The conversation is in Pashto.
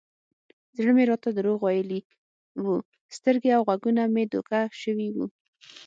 زړه مې راته دروغ ويلي و سترګې او غوږونه مې دوکه سوي وو.